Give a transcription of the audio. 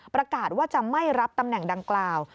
ประกาศว่าจะไม่รับตำแหน่งดังกล่าว